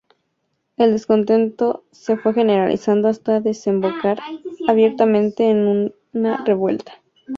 El descontento se fue generalizando hasta desembocar abiertamente en una revuelta.